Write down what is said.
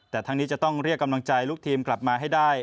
แต่ทั้งนี้จะต้องเรียกกำลังใจลูกทีมกลับมาให้ได้